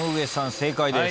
正解です。